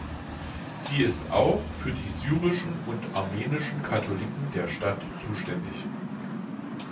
Sie ist auch für die syrischen und armenischen Katholiken der Stadt zuständig.